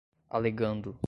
alegando